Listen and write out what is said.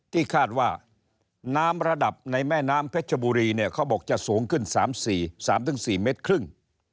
ที่คาดว่าน้ำระดับในแม่น้ำเพชรบุรีเนี่ยเขาบอกจะสูงขึ้น๓๔เมตรครึ่ง